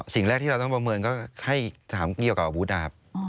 สิ่งแรกที่เราต้องประเมินก็ให้ถามเกี่ยวกับอาวุธนะครับ